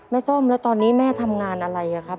ส้มแล้วตอนนี้แม่ทำงานอะไรครับ